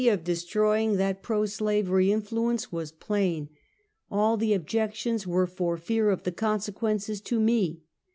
of destroying that pro slaveiy influence was plain. All tlie objections were for fear ox the consequences to me.